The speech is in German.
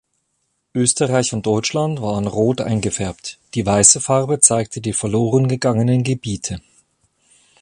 Österreich und Deutschland waren rot eingefärbt, die weiße Farbe zeigte die verlorengegangenen Gebiete.